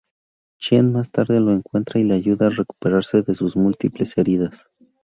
Chien más tarde lo encuentra y le ayuda a recuperarse de sus múltiples heridas.